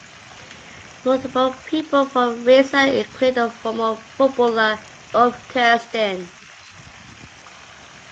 Notable people from Riesa include the former footballer Ulf Kirsten.